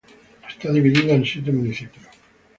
Está dividida en siete municipios.